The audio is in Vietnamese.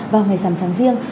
vào ngày sẵn tháng riêng